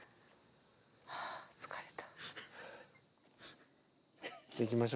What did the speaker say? あ疲れた。